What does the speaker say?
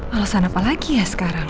alasan apa lagi ya sekarang